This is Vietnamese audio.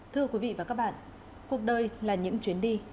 thưa quý vị và các bạn cuộc đời là những chuyến đi